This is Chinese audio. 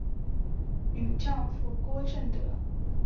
与丈夫郭政德。